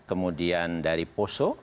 kemudian dari poso